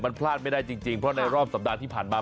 มันพลาดไม่ได้จริงเพราะในรอบสัปดาห์ที่ผ่านมา